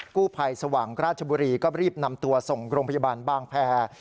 กู้ภัยสว่างราชบุรีก็รีบนำตัวส่งโรงพยาบาลบางแพร